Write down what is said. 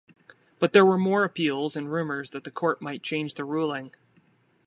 But there were more appeals and rumors that the court might change the ruling.